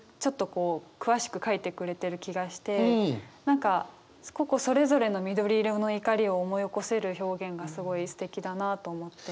こう詳しく書いてくれてる気がして何か個々それぞれの緑色の怒りを思い起こせる表現がすごいすてきだなと思って。